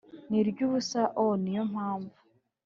ni iry ubusa o Ni yo mpamvu